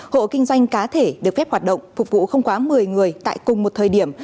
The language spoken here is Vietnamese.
hộ kinh doanh cá thể được phép hoạt động phục vụ không quá một mươi người tại cùng một thời điểm